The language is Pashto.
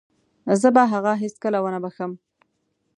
زه به هغه هيڅکله ونه وبښم.